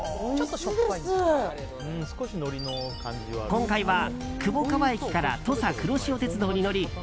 今回は窪川駅から土佐くろしお鉄道に乗り